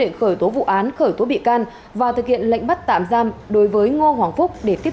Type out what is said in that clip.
lệnh khởi tố vụ án khởi tố bị can và thực hiện lệnh bắt tạm giam đối với ngô hoàng phúc để tiếp